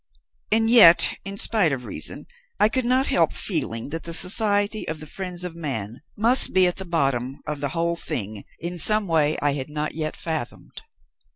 "And yet, in spite of reason, I could not help feeling that the Society of the Friends of Man must be at the bottom of the whole thing in some way I had not yet fathomed.